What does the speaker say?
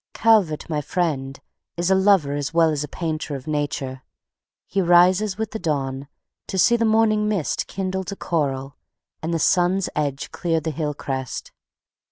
Calvert, my friend, is a lover as well as a painter of nature. He rises with the dawn to see the morning mist kindle to coral and the sun's edge clear the hill crest.